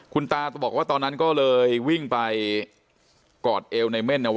คุณตาบอกว่าตอนนั้นก็เลยวิ่งไปกอดเอวในเม่นเอาไว้